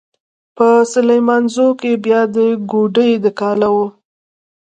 په سليمانزو کې بيا د کوډۍ د کاله و.